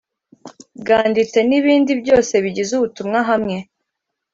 Bwanditse n ibindi byose bigize ubutumwa hamwe